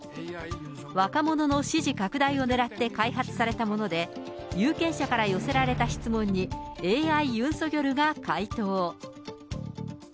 若者の支持拡大を狙って、開発されたもので、有権者から寄せられた質問に、ＡＩユン・ソギョルが回答。